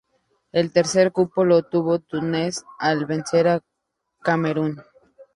El tercer cupo lo obtuvo Túnez al vencer a Camerún.